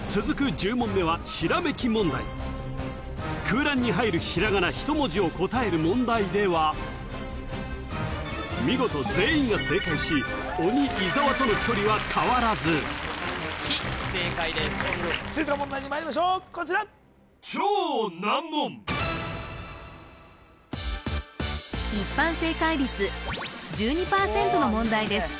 １０問目はひらめき問題空欄に入るひらがな１文字を答える問題では見事全員が正解し鬼伊沢との距離は変わらず「き」正解です続いての問題にまいりましょうこちらの問題です